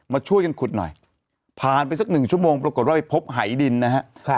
มาช่วยกันขุดหน่อยผ่านไปสักหนึ่งชั่วโมงปรากฏว่าไปพบหายดินนะครับ